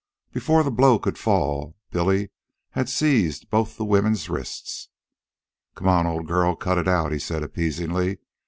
Before the blow could fall, Billy had seized both the woman's wrists. "Come on, old girl, cut it out," he said appeasingly.